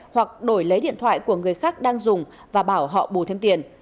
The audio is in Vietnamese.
hoặc đổi lấy điện thoại của người khác đang dùng và bảo họ bù thêm tiền